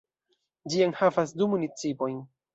Ĝi enhavas du municipojn.